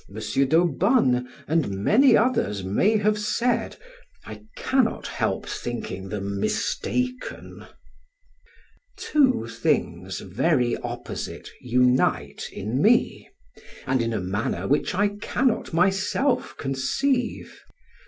d'Aubonne and many others may have said, I cannot help thinking them mistaken. Two things very opposite, unite in me, and in a manner which I cannot myself conceive.